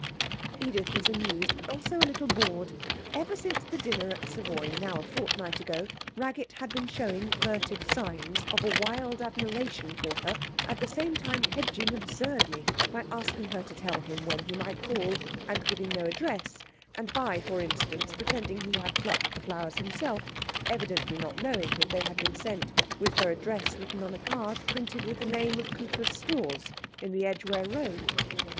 Edith was amused, but also a little bored. Ever since the dinner at the Savoy, now a fortnight ago, Raggett had been showing furtive signs of a wild admiration for her, at the same time hedging absurdly by asking her to tell him when he might call and giving no address, and by (for instance) pretending he had plucked the flowers himself, evidently not knowing that they had been sent with her address written on a card printed with the name of Cooper's Stores in the Edgware Road.